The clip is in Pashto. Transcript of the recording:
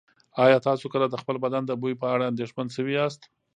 ایا تاسو کله د خپل بدن د بوی په اړه اندېښمن شوي یاست؟